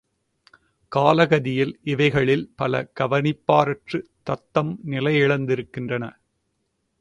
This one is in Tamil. காலகதியில் இவைகளில் பல கவனிப்பாரற்று தத்தம் நிலை இழந்திருக்கின்றன.